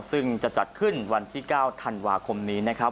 ซึ่งจะจัดขึ้นวันที่๙ธันวาคมนี้นะครับ